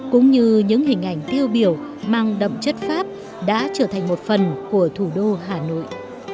cũng như những hình ảnh tiêu biểu mang đậm chất pháp đã trở thành một phần của thủ đô hà nội